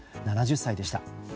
７０歳でした。